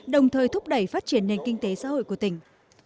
đồng thời thúc đẩy phát triển nền kinh tế xã hội của tỉnh